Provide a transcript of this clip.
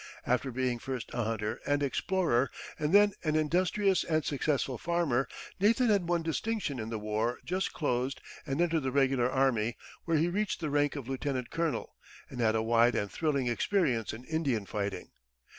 After being first a hunter and explorer, and then an industrious and successful farmer, Nathan had won distinction in the war just closed and entered the regular army, where he reached the rank of lieutenant colonel and had a wide and thrilling experience in Indian fighting.